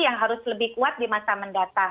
yang harus lebih kuat di masa mendatang